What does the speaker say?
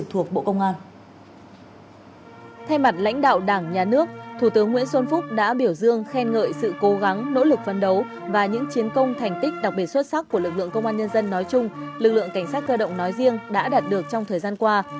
hồ chí minh đã biểu dương khen ngợi sự cố gắng nỗ lực phân đấu và những chiến công thành tích đặc biệt xuất sắc của lực lượng công an nhân dân nói chung lực lượng cảnh sát cơ động nói riêng đã đạt được trong thời gian qua